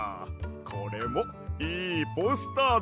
これもいいポスターだわ。